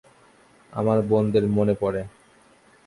আমার বোনদের মনে পড়ে।